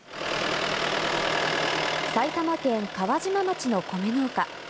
埼玉県川島町の米農家。